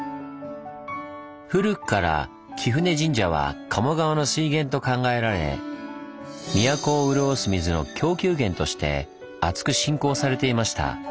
古くから貴船神社は鴨川の水源と考えられ都を潤す水の供給源としてあつく信仰されていました。